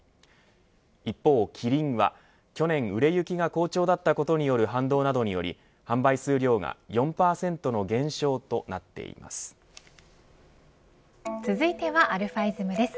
一方キリンは去年売れ行きが好調だったことによる反動などにより販売数量が続いてはαｉｓｍです。